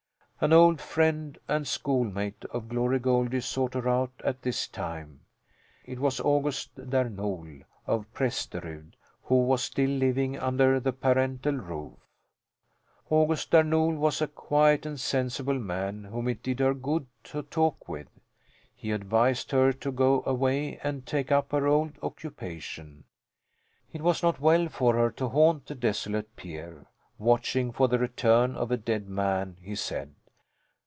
An old friend and schoolmate of Glory Goldie sought her out at this time. It was August Där Nol of Prästerud, who was still living under the parental roof. August Där Nol was a quiet and sensible man whom it did her good to talk with. He advised her to go away and take up her old occupation. It was not well for her to haunt the desolate pier, watching for the return of a dead man, he said.